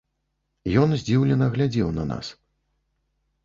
Ён здзіўлена глядзеў на нас.